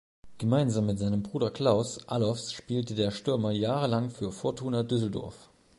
Gemeinsam mit seinem Bruder Klaus Allofs spielte der Stürmer jahrelang für Fortuna Düsseldorf.